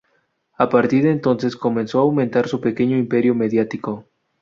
A partir de entonces comenzó a aumentar su pequeño imperio mediático.